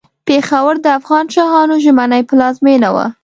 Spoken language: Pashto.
پېښور د افغان شاهانو ژمنۍ پلازمېنه وه.